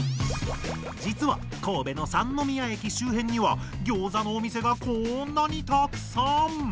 実は神戸の三ノ宮駅周辺にはギョーザのお店がこんなにたくさん！